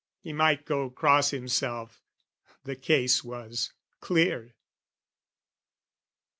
He might go cross himself: the case was clear.